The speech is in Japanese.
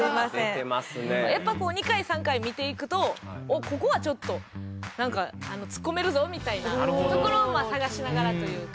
やっぱこう２回３回見ていくとおっここはちょっとなんかツッコめるぞみたいなところをまあ探しながらというか。